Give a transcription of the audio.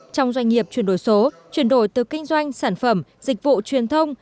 trong doanh nghiệp chuyển đổi số chuyển đổi từ kinh doanh sản phẩm dịch vụ truyền thông